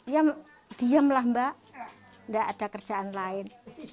ya diamlah mbak tidak ada kerjaan lain